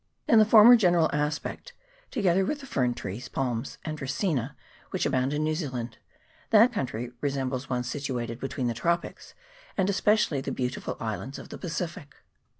In the former general aspect, together with the tree ferns, palms, and Dracaenas which abound in New Zealand, that country resembles one situated between the tropics, and especially the beautiful islands of the Pacific.